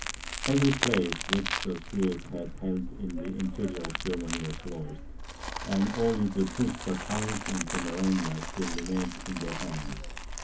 Every place which the Swedes had held in the interior of Germany was lost; and only the principal towns in Pomerania still remained in their hands.